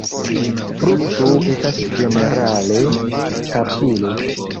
Frukto estas ĝenerale kapsulo.